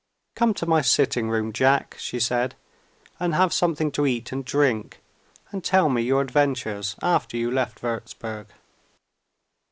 "Come to my sitting room, Jack," she said, "and have something to eat and drink, and tell me your adventures after you left Wurzburg."